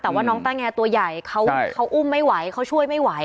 แต่ว่าน้องต้าแงตัวใหญ่เขาอุ้มไม่ไหวเขาช่วยไม่ไหว